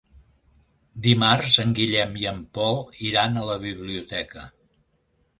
Dimarts en Guillem i en Pol iran a la biblioteca.